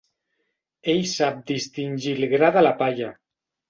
Ell sap distingir el gra de la palla.